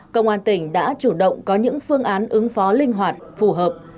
công an tỉnh đã chủ động có những phương án ứng phó linh hoạt phù hợp